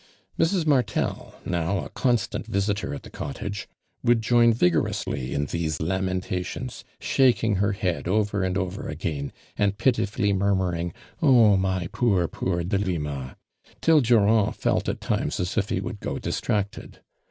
Mrs. Martel, now a constant visitor at the cottage, would join vigorously in these lamentations, shaking her head, over and over again, and pitifully murmuring "Oh, my poor, poor Delima !" till Durand felt iit times as if he would go distracted.